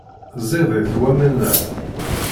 Ẓidit waman-a.